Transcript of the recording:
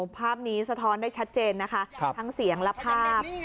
ภาพนี้สะท้อนได้ชัดเจนนะคะทั้งเสียงและภาพ